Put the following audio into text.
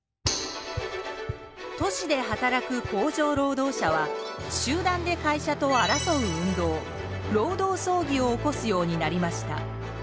都市で働く工場労働者は集団で会社と争う運動労働争議を起こすようになりました。